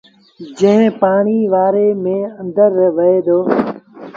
جيٚن پآڻيٚ وآريٚ ميݩ آݩدر وهي دو۔